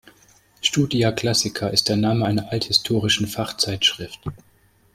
Studia Classica ist der Name einer althistorischen Fachzeitschrift.